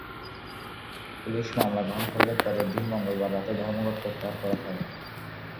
Police মামলা গ্রহণ করলে পরের দিন মঙ্গলবার রাতে ধর্মঘট প্রত্যাহার করা হয়।